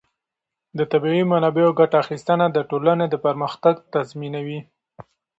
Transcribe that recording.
د طبیعي منابعو ګټه اخیستنه د ټولنې پرمختګ تضمینوي.